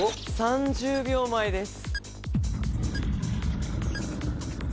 ３０秒前です